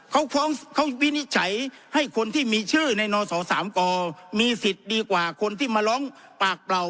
เขาฟ้องเขาวินิจฉัยให้คนที่มีชื่อในนศ๓กมีสิทธิ์ดีกว่าคนที่มาร้องปากเปล่า